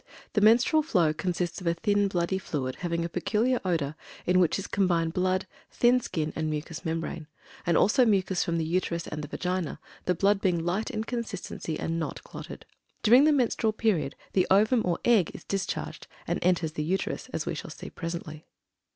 The menstrual flow consists of a thin, bloody fluid, having peculiar odor, in which is combined blood, thin skin, and mucus membrane, and also mucus from the Uterus and the Vagina, the blood being light in consistency and not clotted. During the menstrual period the ovum, or egg, is discharged, and enters the Uterus, as we shall see presently.